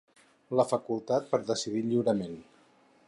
La facultat per decidir lliurement.